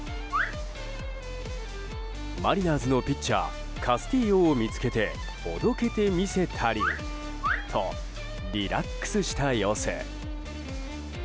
マリナーズのピッチャーカスティーヨを見つけておどけて見せたりとリラックスした様子。